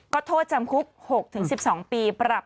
ก็โทษจำคุก๖๑๒ปีปรับ